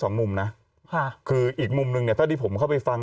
สองมุมนะค่ะคืออีกมุมหนึ่งเนี่ยเท่าที่ผมเข้าไปฟัง